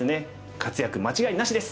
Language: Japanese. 活躍間違いなしです！